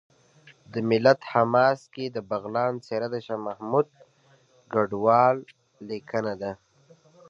د ملت حماسه کې د بغلان څېره د شاه محمود کډوال لیکنه ده